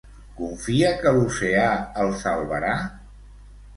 Confia que l'oceà el salvarà?